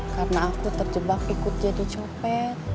karena aku terjebak ikut jadi copet